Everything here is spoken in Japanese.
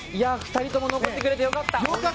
２人とも残ってくれて良かった！